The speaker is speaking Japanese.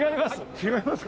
違います。